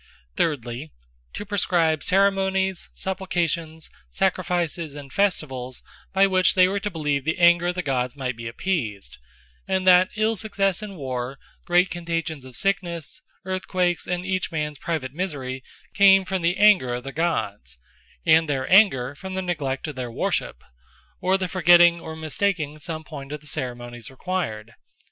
Thirdly, to prescribe Ceremonies, Supplications, Sacrifices, and Festivalls, by which they were to believe, the anger of the Gods might be appeased; and that ill success in War, great contagions of Sicknesse, Earthquakes, and each mans private Misery, came from the Anger of the Gods; and their Anger from the Neglect of their Worship, or the forgetting, or mistaking some point of the Ceremonies required.